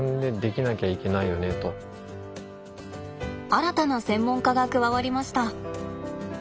新たな専門家が加わりました。